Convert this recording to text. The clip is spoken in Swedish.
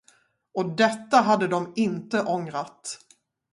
Och detta hade de inte ångrat.